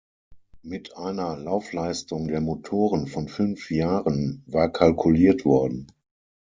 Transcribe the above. Mit einer Laufleistung der Motoren von fünf Jahren war kalkuliert worden.